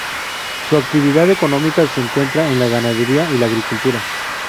Su actividad económica se concentra en la ganadería y la agricultura.